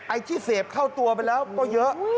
ไอ้ที่เสพเข้าตัวไปแล้วก็เยอะ